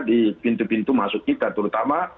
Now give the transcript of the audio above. di pintu pintu masuk kita terutama